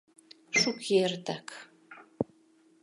— Шукертак...